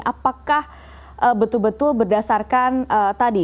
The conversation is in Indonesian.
apakah betul betul berdasarkan tadi